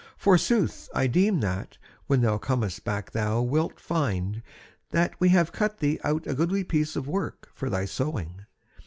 Forsooth I deem that when thou comest back thou wilt find that we have cut thee out a goodly piece of work for thy sewing.